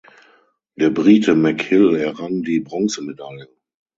Der Brite Mick Hill errang die Bronzemedaille.